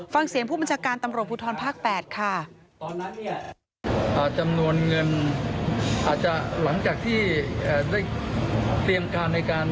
ฟังเสียงผู้บัญชาการตำรวจภูทรภาค๘ค่ะ